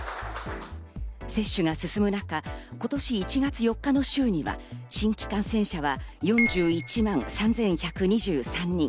接種が進む中、今年１月４日の週には新規感染者は、４１万３１２３人。